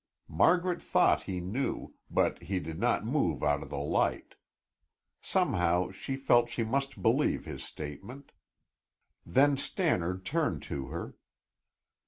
Margaret thought he knew, but he did not move out of the light. Somehow she felt she must believe his statement. Then Stannard turned to her.